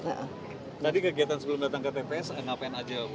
tadi kegiatan sebelum datang ke tps ngapain aja bu